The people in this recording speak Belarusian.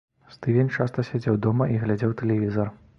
Стывен часта сядзеў дома і глядзеў тэлевізар.